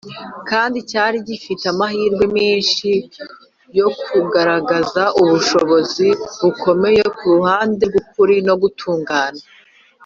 kandi cyari gifite amahirwe menshi yo kugaragaza ubushobozi bukomeye ku ruhande rw’ukuri no gutungana.